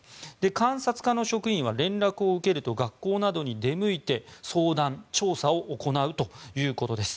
監察課の職員は連絡を受けると学校などに出向いて相談・調査を行うということです。